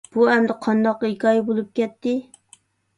بۇ ئەمدى قانداق ھېكايە بولۇپ كەتتى؟